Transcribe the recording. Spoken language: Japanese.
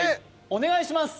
お願いします